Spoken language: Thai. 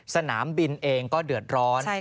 สนามบินเองก็เดือดร้อน